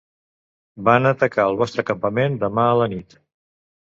Van a atacar el vostre campament demà a la nit.